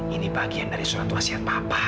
ini bagian dari surat wasiat papa